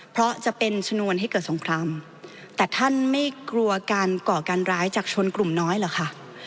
เพราะจะเป็นชนวนให้เกิดสงครามแต่ท่านไม่กลัวการก่อการร้ายจากชนกลุ่มน้อยเหรอคะ